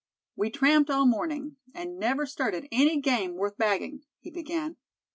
"We tramped all morning, and never started any game worth bagging," he began.